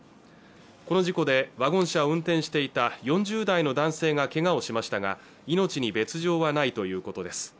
この事故でワゴン車を運転していた４０代の男性がけがをしましたが命に別状はないということです